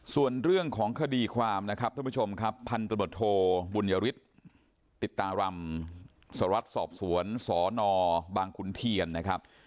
ส่วนเรื่องของคดีความนะครับท่านผู้ชมครับพันธบทโทบุญยฤทธิ์ติดตารำสารวัตรสอบสวนสนบางขุนเทียนนะครับ